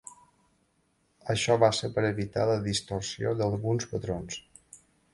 Això va ser per evitar la distorsió d'alguns patrons.